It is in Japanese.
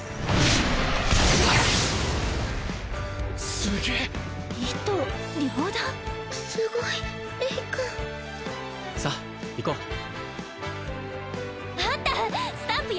すげえ一刀両断すごいレイ君さっ行こうあったスタンプよ